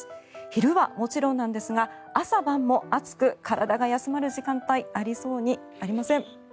昼はもちろんなんですが朝晩も体が休まる時間帯ありそうにありません。